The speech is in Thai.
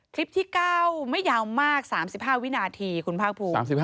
คลิปที่๙ไม่ยาวมาก๓๕วินาทีคุณภาคภูมิ